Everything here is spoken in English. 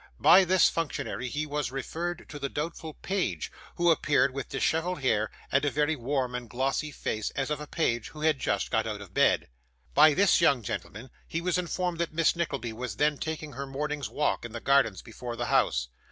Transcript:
By this functionary he was referred to the doubtful page, who appeared with dishevelled hair and a very warm and glossy face, as of a page who had just got out of bed. By this young gentleman he was informed that Miss Nickleby was then taking her morning's walk in the gardens before the house.